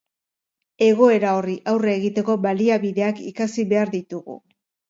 Egoera horri aurre egiteko baliabideak ikasi behar ditugu.